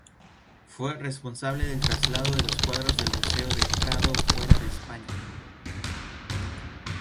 Fue responsable del traslado de los cuadros del Museo del Prado fuera de España.